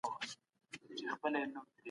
دا دنیا یوازې د شکر ایسهمېشهو یو تمځای دی.